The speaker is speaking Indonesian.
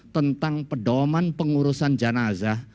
tentang pedoman pengurusan janazah